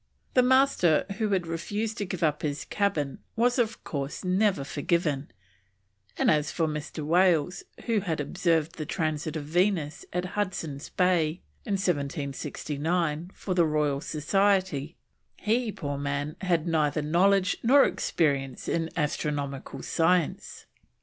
The Master who had refused to give up his cabin was, of course, never forgiven; and as for Mr. Wales, who had observed the Transit of Venus at Hudson's Bay in 1769, for the Royal Society, he, poor man, had neither knowledge nor experience in astronomical science.